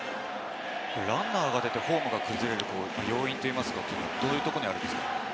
ランナーが出て、フォームが崩れる要因というのはどういうところにありますか？